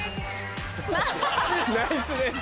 「ナイスです！」